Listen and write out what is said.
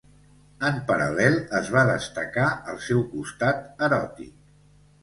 En paral·lel, es va destacar el seu costat eròtic.